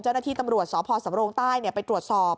เจ้าหน้าที่ตำรวจสพสำโรงใต้ไปตรวจสอบ